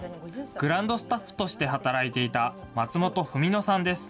グランドスタッフとして働いていた松本郁乃さんです。